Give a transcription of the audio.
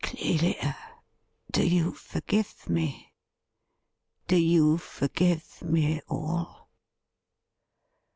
' Clelia, do you forgive me — do you forgive me all